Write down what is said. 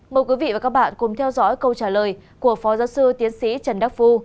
mời quý vị và các bạn cùng theo dõi câu trả lời của phó giáo sư tiến sĩ trần đắc phu